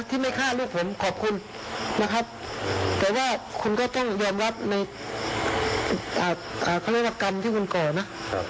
ที่ไม่ฆ่าลูกผมขอบคุณนะครับแต่ว่าคุณก็ต้องยอมรับในเขาเรียกว่ากรรมที่คุณก่อนะ